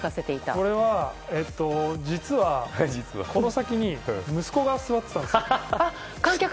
これは実はこの先に息子が座ってたんですよ。